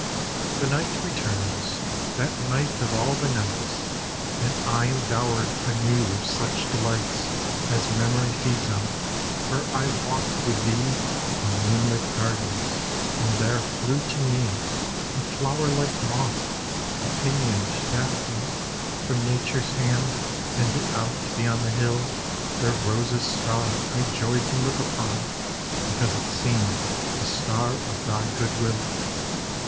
xi. The night returns, that night of all the nights! And I am dower'd anew with such delights As memory feeds on; for I walk'd with thee In moonlit gardens, and there flew to me A flower like moth, a pinion'd daffodil, From Nature's hand; and, out beyond the hill, There rose a star I joy'd to look upon Because it seem'd the star of thy good will.